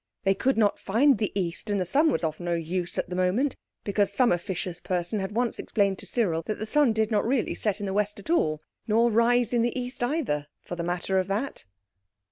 They could not find the East, and the sun was of no use at the moment, because some officious person had once explained to Cyril that the sun did not really set in the West at all—nor rise in the East either, for the matter of that.